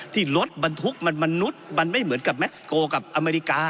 ที่รถบรรทุกมันมนุษย์มันไม่เหมือนกับแม็กซิโกกับอเมริกา